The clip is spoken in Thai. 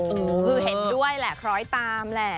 คือเห็นด้วยแหละคล้อยตามแหละ